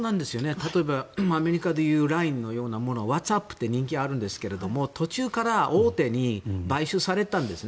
例えばアメリカでいうＬＩＮＥのようなものはワッツアップって人気があるんですけど途中から大手に買収されたんですね